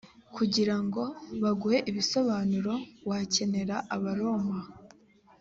kugira ngo baguhe ibisobanuro wakenera abaroma